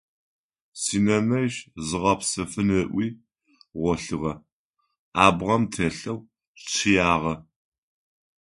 Синэнэжъ зигъэпсэфын ыӏуи гъолъыгъэ, абгъэм телъэу чъыягъэ.